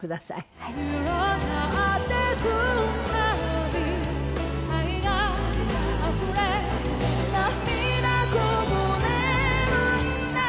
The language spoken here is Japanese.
「広がってくたび」「愛が溢れ涙こぼれるんだ」